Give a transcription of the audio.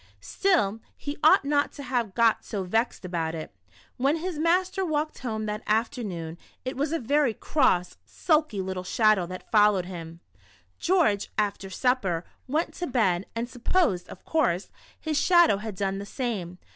Still, he ought not to have got so vexed about it. When his master walked home that afternoon, it was a very cross, sulky little Shadow that follow^ed him. George, after supper, went to bed and sup posed, of course, his shadow had done the same.